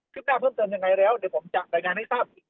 หน้าเพิ่มเติมยังไงแล้วเดี๋ยวผมจะรายงานให้ทราบอีก